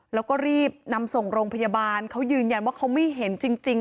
แล้วก็รีบนำส่งโรงพยาบาลเขายืนยันว่าเขาไม่เห็นจริง